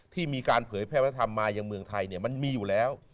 ที่มีการเผยแพ่วธรรมมาอย่างเมืองไทยเนี่ยมันมีอยู่แล้ว